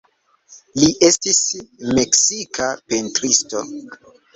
Li estis meksika pentristo.